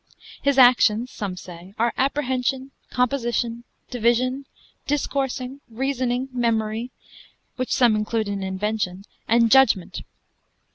His actions (some say) are apprehension, composition, division, discoursing, reasoning, memory, which some include in invention, and judgment.